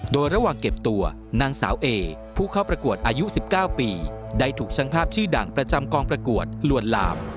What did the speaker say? โดยระหว่างเก็บตัวนางสาวเอผู้เข้าประกวดอายุ๑๙ปีได้ถูกช่างภาพชื่อดังประจำกองประกวดลวนลาม